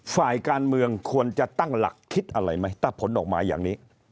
ฝ่ายการเมืองควรจะตั้งหลักคิดอะไรไหมถ้าผลออกมาอย่างนี้